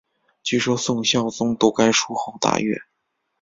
据说宋孝宗读该书后大悦。